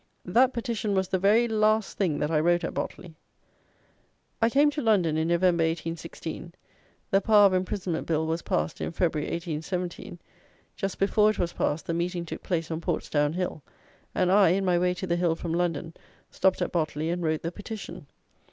That petition was the very last thing that I wrote at Botley. I came to London in November 1816; the Power of Imprisonment Bill was passed in February, 1817; just before it was passed, the Meeting took place on Portsdown Hill; and I, in my way to the hill from London, stopped at Botley and wrote the petition.